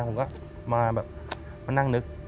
ผมก็มาแบบมานั่งนึก